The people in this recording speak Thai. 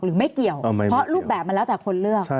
หรือไม่เกี่ยวเพราะรูปแบบมันแล้วแต่คนเลือก